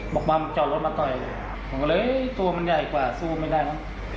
บอกว่าจอดรถมาต่อยผมก็เลยตัวมันใหญ่กว่าสู้ไม่ได้มั้ง